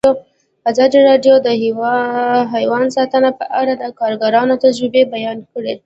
ازادي راډیو د حیوان ساتنه په اړه د کارګرانو تجربې بیان کړي.